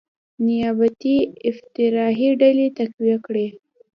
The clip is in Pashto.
نیابتي افراطي ډلې تقویه کړي،